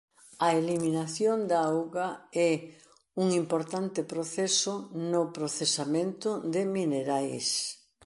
A eliminación da auga é un importante proceso no procesamento de minerais.